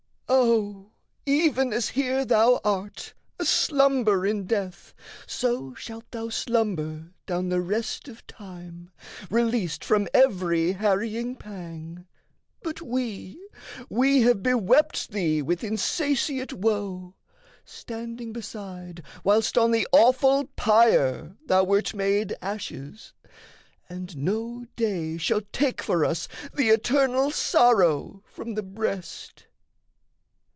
"O even as here thou art, aslumber in death, So shalt thou slumber down the rest of time, Released from every harrying pang. But we, We have bewept thee with insatiate woe, Standing beside whilst on the awful pyre Thou wert made ashes; and no day shall take For us the eternal sorrow from the breast."